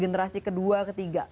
generasi kedua ketiga